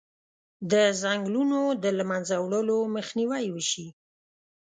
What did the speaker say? د ځنګلونو د له منځه وړلو مخنیوی وشي.